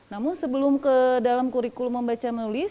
namun sebelum ke dalam kurikulum membaca menulis